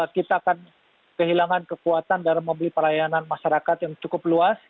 kita akan kehilangan kekuatan dalam membeli pelayanan masyarakat yang cukup luas